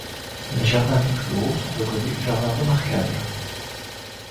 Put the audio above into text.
Les jardins du clos sont reconnus Jardin remarquable.